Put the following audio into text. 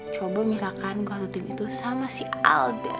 coba misalkan gue tutip itu sama si alden